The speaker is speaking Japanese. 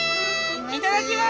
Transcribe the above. いただきます！